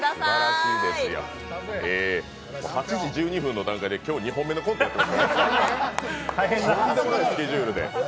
８時１２分の段階で今日２本目のコントをやってるとんでもないスケジュールで。